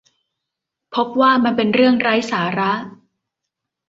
พบว่ามันเป็นเรื่องไร้สาระ